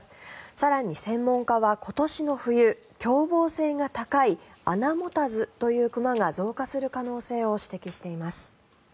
更に専門家は今年の冬凶暴性が高い穴持たずという熊が増加する可能性を指摘しています。